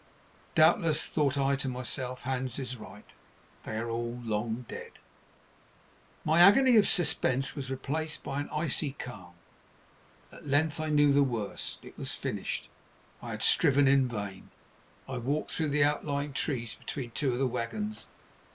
Doubtless, thought I to myself, Hans is right. They are all long dead. My agony of suspense was replaced by an icy calm. At length I knew the worst. It was finished—I had striven in vain. I walked through the outlying trees and between two of the wagons.